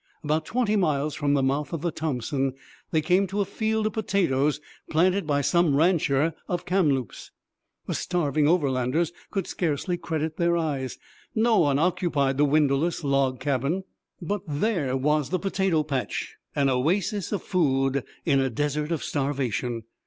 About twenty miles from the mouth of the Thompson they came to a field of potatoes planted by some rancher of Kamloops. The starving Overlanders could scarcely credit their eyes. No one occupied the windowless log cabin; but there was the potato patch an oasis of food in a desert of starvation.